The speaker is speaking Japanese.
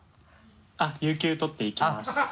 あっ有給取って行きます。